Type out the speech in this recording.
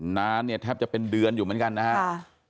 นานเนี่ยแทบจะเป็นเดือนอยู่เหมือนกันนะครับ